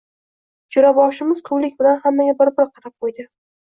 Jo‘raboshimiz quvlik bilan hammaga bir-bir qarab qo‘ydi.